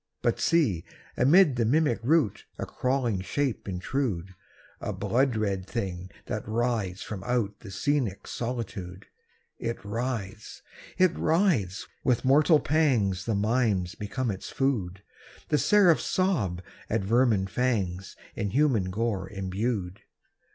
But see, amid the mimic rout A crawling shape intrude! A blood red thing that writhes from out The scenic solitude! It writhes!—it writhes!—with mortal pangs The mimes become its food, And the angels sob at vermin fangs In human gore imbued.